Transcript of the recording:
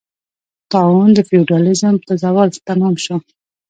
طاعون د فیوډالېزم په زوال تمام شو.